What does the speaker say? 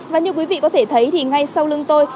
và như quý vị có thể thấy thì ngay sau lưng tôi